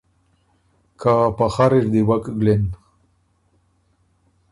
که په خر اِر دی وک ګلِن۔